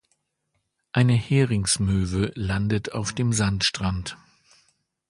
Eine Heringsmöwe landet auf dem Sandstrand.